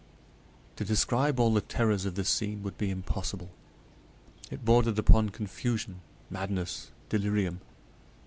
To describe all the terrors of this scene would be impossible. It bordered upon confusion, madness, delirium.